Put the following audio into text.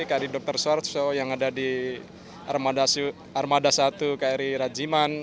kri dr suharto yang ada di armada satu kri rajiman